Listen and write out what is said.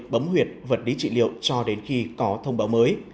bấm huyệt vật lý trị liệu cho đến khi có thông báo mới